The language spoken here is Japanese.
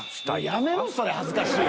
やめろそれ恥ずかしい。